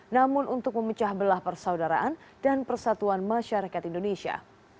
namun untuk memecah belah persaudaraan dan persatuan masyarakat indonesia